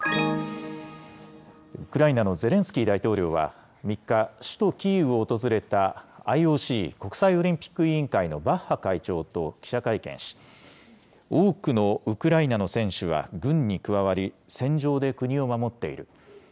ウクライナのゼレンスキー大統領は、３日、首都キーウを訪れたＩＯＣ・国際オリンピック委員会のバッハ会長と記者会見し、多くのウクライナの選手は軍に加わり、戦場で国を守っている。